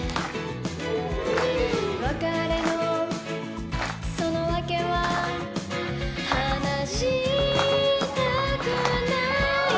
「別れのそのわけは話したくない」